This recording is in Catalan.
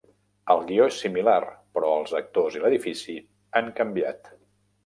El guió és similar però els actors i l'edifici han canviat.